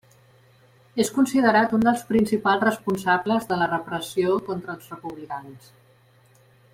És considerat un dels principals responsables de la repressió contra els republicans.